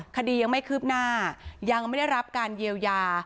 คดียังไม่คืบหน้ายังไม่ได้รับการเยียวยา